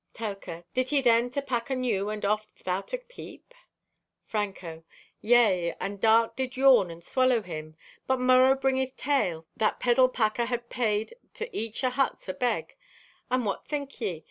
(Telka) "Did he then to pack anew and off 'thout a peep?" (Franco) "Yea, and dark did yawn and swallow him. But morrow bringeth tale that peddle packer had paid to each o' huts a beg, and what think ye?